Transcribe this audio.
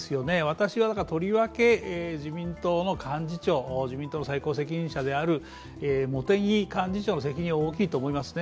私はとりわけ、自民党の幹事長、自民党の最高責任者である茂木幹事長の責任は大きいと思いますね。